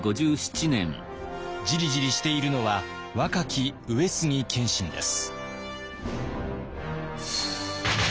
ジリジリしているのは若き上杉謙信です。